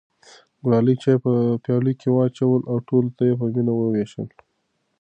ګلالۍ چای په پیالو کې واچوه او ټولو ته یې په مینه وویشل.